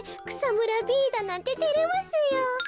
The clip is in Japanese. くさむらＢだなんててれますよ。